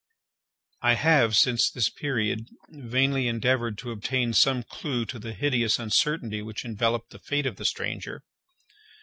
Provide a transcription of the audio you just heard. I have, since this period, vainly endeavoured to obtain some clew to the hideous uncertainty which enveloped the fate of the stranger.